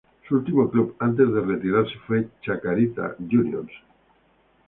Su último club antes de retirarse fue Chacarita Juniors.